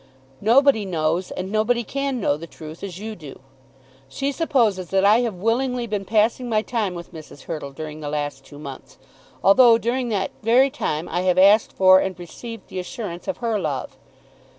Nobody knows and nobody can know the truth as you do. She supposes that I have willingly been passing my time with Mrs. Hurtle during the last two months, although during that very time I have asked for and have received the assurance of her love.